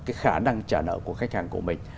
cái khả năng trả nợ của khách hàng của mình